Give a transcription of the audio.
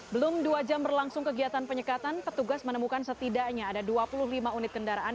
belum dua jam berlangsung kegiatan penyekatan petugas menemukan setidaknya ada dua puluh lima unit kendaraan